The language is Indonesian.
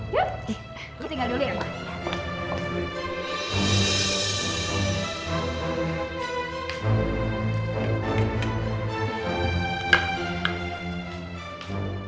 yuk kita tinggal dulu ya mas